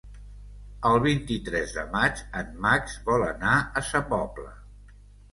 El vint-i-tres de maig en Max vol anar a Sa Pobla.